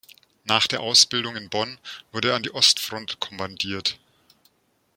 Nach der Ausbildung in Bonn wurde er an die Ostfront kommandiert.